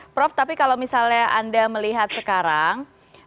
prof tapi kalau misalnya anda melihat sekarang